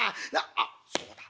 あっそうだ。